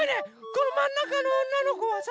このまんなかのおんなのこはさ。